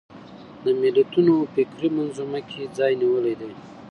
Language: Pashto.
د ملتونو فکري منظومه کې ځای نیولی دی